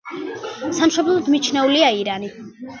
სამშობლოდ მიჩნეულია ირანი.